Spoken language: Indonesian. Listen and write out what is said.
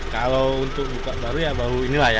kalau untuk buka baru ya baru ini lah ya